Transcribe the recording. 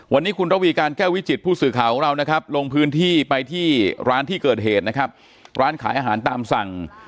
วันนี้คุณระวีการแก้ววิจิตผู้สื่อข่าวของเรานะครับลงพื้นที่ไปที่ร้านที่เกิดเหตุนะครับร้านขายอาหารตามสั่ง